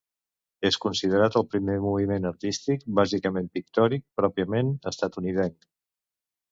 És considerat el primer moviment artístic, bàsicament pictòric, pròpiament estatunidenc.